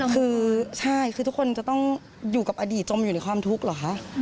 คือใช่คือทุกคนจะต้องอยู่กับอดีตจมอยู่ในความทุกข์เหรอคะ